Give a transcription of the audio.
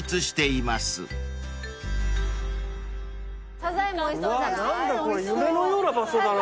サザエもおいしそうじゃない？